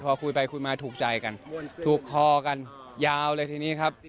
พอคุยไปคุยมาถูกใจกันถูกคอกันยาวเลยทีนี้ครับ